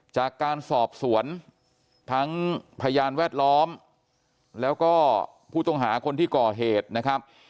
จากการสอบสวนทั้งพยานแวดล้อมแล้วก็ผู้ต้องหาคนที่ก่อเหตุนะครับ